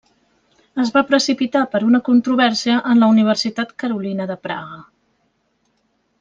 Es va precipitar per una controvèrsia en la Universitat Carolina de Praga.